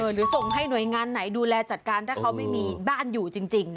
หรือส่งให้หน่วยงานไหนดูแลจัดการถ้าเขาไม่มีบ้านอยู่จริง